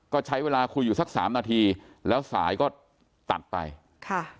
ก็ใช้เวลาคุยอยู่สักสามนาทีแล้วสายก็ตัดไปค่ะ